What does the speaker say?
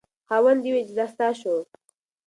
خاوند یې وویل چې دا ستا شو.